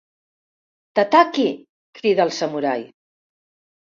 Tataki! —crida el samurai.